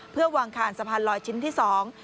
เพื่อวางคานสะพานลอยชิ้นที่สอง